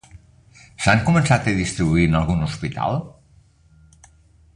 S'han començat a distribuir en algun hospital?